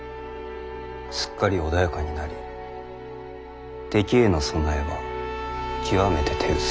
すっかり穏やかになり敵への備えは極めて手薄。